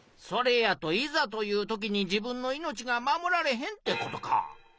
それやといざというときに自分の命が守られへんってことか。